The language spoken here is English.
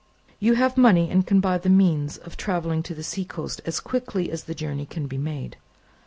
"You have money, and can buy the means of travelling to the seacoast as quickly as the journey can be made.